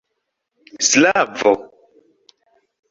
slavo